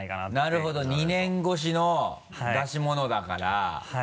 なるほど２年越しの出し物だからはい。